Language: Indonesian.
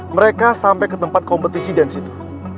mereka sampe ke tempat kompetisi dance itu